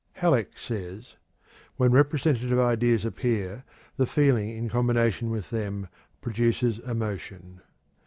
Halleck says: "When representative ideas appear, the feeling in combination with them produces emotion.